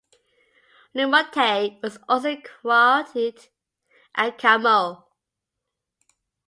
Limonite was also quarried at Kamo.